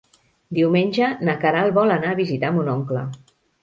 Diumenge na Queralt vol anar a visitar mon oncle.